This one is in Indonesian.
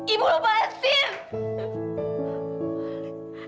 ibu lupa asin